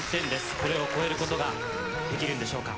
これを超えることができるんでしょうか？